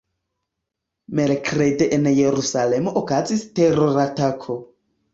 Merkrede en Jerusalemo okazis teroratako.